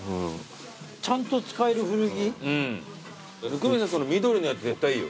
温水さんその緑のやつ絶対いいよ。